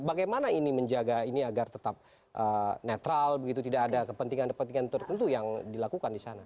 bagaimana ini menjaga ini agar tetap netral begitu tidak ada kepentingan kepentingan tertentu yang dilakukan di sana